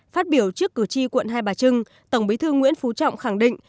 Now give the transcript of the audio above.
phát biểu trước cử tri quận hai bà trưng tổng bí thư nguyễn phú trọng khẳng định